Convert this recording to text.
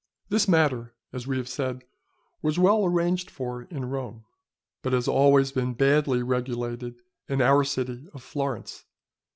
This matter, as we have said, was well arranged for in Rome, but has always been badly regulated in our city of Florence.